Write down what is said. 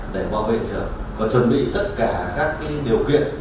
để bảo vệ hiện trường và chuẩn bị tất cả các cái điều kiện